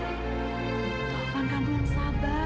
tuhan kamu yang sabar